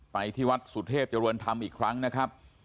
ไปที่วัดสุเทพเจริญธรรมอีกครั้งนะครับ